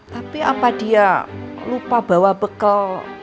tapi apa dia lupa bawa bekal